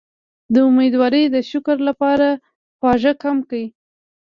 د امیدوارۍ د شکر لپاره خواږه کم کړئ